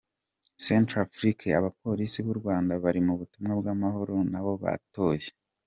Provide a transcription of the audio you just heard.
Centrafrique: Abapolisi b’u Rwanda bari mu butumwa bw’amahoro nabo batoye.